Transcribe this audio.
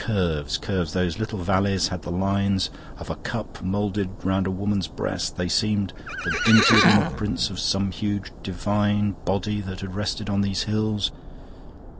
Curves curves...Those little valleys had the lines of a cup moulded round a woman's breast; they seemed the dinted imprints of some huge divine body that had rested on these hills.